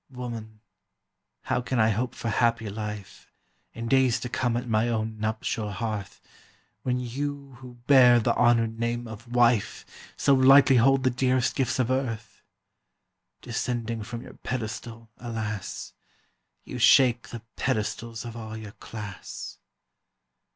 Woman, how can I hope for happy life In days to come at my own nuptial hearth, When you who bear the honoured name of wife So lightly hold the dearest gifts of earth? Descending from your pedestal, alas! You shake the pedestals of all your class.